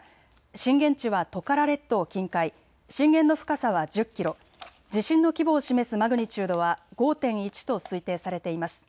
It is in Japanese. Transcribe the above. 震源地はトカラ列島近海、震源の深さは１０キロ、地震の規模を示すマグニチュードは５．１と推定されています。